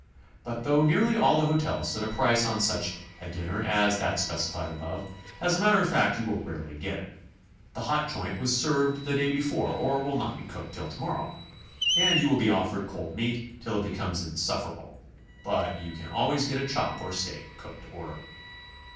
But, though nearly all the hotels set a price on such a dinner as that specified above, as a matter of fact you will rarely get it. The hot joint was served the day before or will not be cooked till tomorrow, BICYCLE TOURING. 91 and you wi'll be offered cold meat till k becomes insufferable. But you can always get a chop or steak cooked to order.